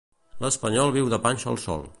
L'espanyol viu de panxa al sol.